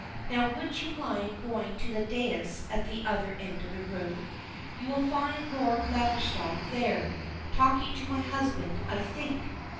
"Now would you mind going to the dais at the other end of the room? You will find Lord Laverstock there, talking to my husband, I think."